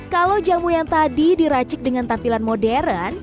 kalau jamu yang tadi diracik dengan tampilan modern